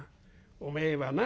おめえはな